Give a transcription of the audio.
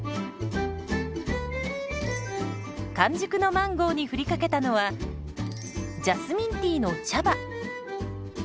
完熟のマンゴーに振りかけたのはジャスミンティーの茶葉。